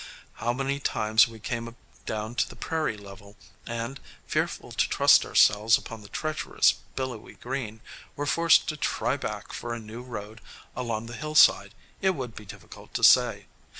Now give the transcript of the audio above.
How many times we came down to the prairie level, and, fearful to trust ourselves upon the treacherous, billowy green, were forced to "try back" for a new road along the hillside, it would be difficult to say.